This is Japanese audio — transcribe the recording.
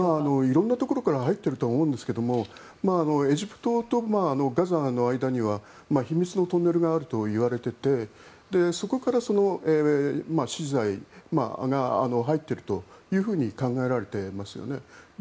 色んなところから入っているとは思うんですがエジプトとガザの間には秘密のトンネルがあるといわれててそこから資材が入っているというふうに考えられていますよね。